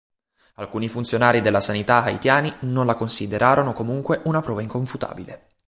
Alcuni funzionari della sanità haitiani non la considerarono comunque una prova inconfutabile.